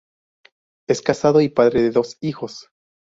Es casado y padre de dos hijos.